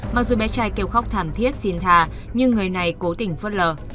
mặc dù bé trai kêu khóc thảm thiết xin thà nhưng người này cố tỉnh phất lở